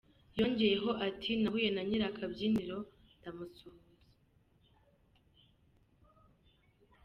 Yongeyeho ati “Nahuye na nyir’akabyiniro, ndamusuhuza.